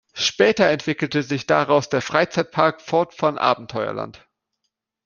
Später entwickelte sich daraus der Freizeitpark Fort Fun Abenteuerland.